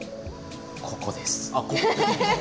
ここです。